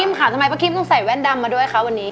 ค่ะทำไมป้ากิ๊บต้องใส่แว่นดำมาด้วยคะวันนี้